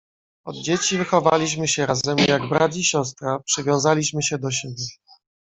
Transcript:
"Od dzieci wychowaliśmy się razem, jak brat i siostra przywiązaliśmy się do siebie."